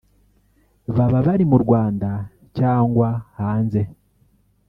baba bari mu Rwanda cyangwa hanze